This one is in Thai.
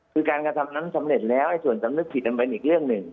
คือการกระทำนั้นสำเร็จแล้วส่วนสำนึกผิดมันเป็นอีกเรื่องหนึ่ง